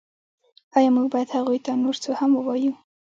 ایا موږ باید هغوی ته نور څه هم ووایو